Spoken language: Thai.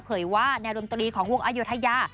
ว่าแนวดนตรีของวงอายุทยา